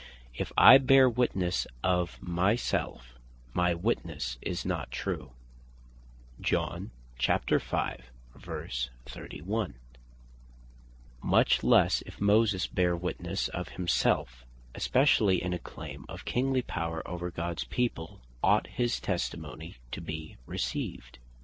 "If I bear witnesse of my self, my witnesse is not true," much lesse if Moses bear witnesse of himselfe, (especially in a claim of Kingly power over Gods people) ought his testimony to be received.